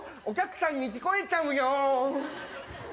お客さんに聞こえちゃうよ。